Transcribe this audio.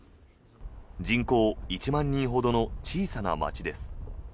人口１万人ほどの小さな街です。